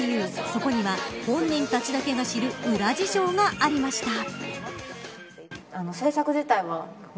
そこには本人たちだけが知る裏事情がありました。